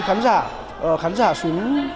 khán giả khán giả xuống